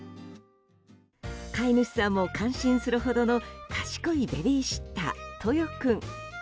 飼い主さんも感心するほどの賢いベビーシッター、トヨ君。